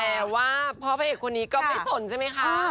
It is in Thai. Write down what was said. แต่ว่าพ่อพระเอกคนนี้ก็ไม่สนใช่ไหมคะ